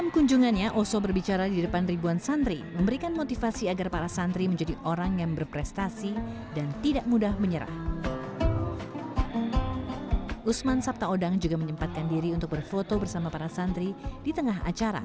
ketangan uso disambut pimpinan pondok pesantren habib muhammad waliullah bin sheikh habib sagaf